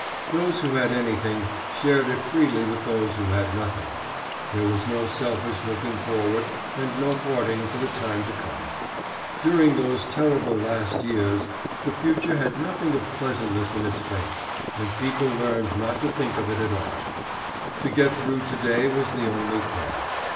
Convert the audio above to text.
Those who had anything shared it freely with those who had nothing. There was no selfish looking forward, and no hoarding for the time to come. During those terrible last years, the future had nothing of pleasantness in its face, and people learned not to think of it at all. To get through to day was the only care.